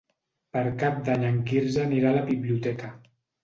Per Cap d'Any en Quirze anirà a la biblioteca.